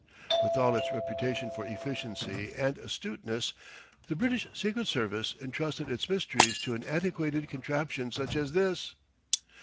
With all its reputation for efficiency and astuteness the British Secret Service entrusted its mysteries to an antiquated contraption such as this!